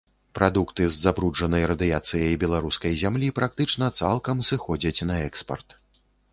Прадукты з забруджанай радыяцыяй беларускай зямлі практычна цалкам сыходзяць на экспарт.